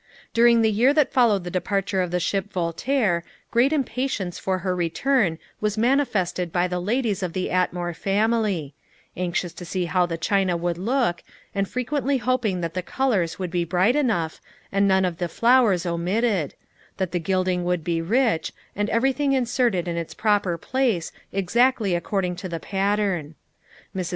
During the year that followed the departure of the ship Voltaire great impatience for her return was manifested by the ladies of the Atmore family, anxious to see how the china would look, and frequently hoping that the colors would be bright enough, and none of the flowers omitted that the gilding would be rich, and everything inserted in its proper place, exactly according to the pattern. Mrs.